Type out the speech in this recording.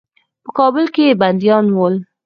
په کابل کې بندیان ول.